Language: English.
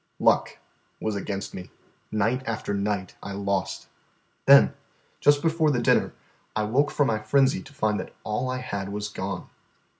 Luck was against me. Night after night I lost. Then, just before the dinner, I woke from my frenzy to find all that I had was gone.